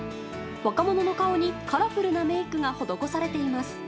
若者の顔に、カラフルなメイクが施されています。